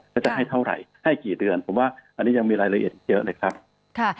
แล้วจะให้เท่าไหร่ให้กี่เดือนผมว่าอันนี้ยังมีรายละเอียดอีกเยอะเลยครับค่ะ